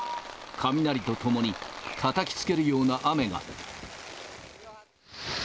雷と共に、たたきつけるような雨が。